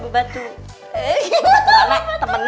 bebatu ranah temennya